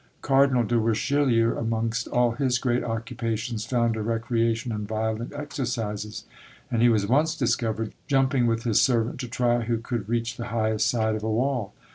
Cardinal de Richelieu, amongst all his great occupations, found a recreation in violent exercises; and he was once discovered jumping with his servant, to try who could reach the highest side of a wall.